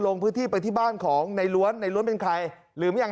ลงพื้นที่ไปที่บ้านของในล้วนในล้วนเป็นใครลืมยัง